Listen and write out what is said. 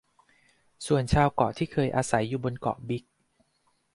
ส่วนชาวเกาะที่เคยอาศัยอยู่บนเกาะบิ๊ก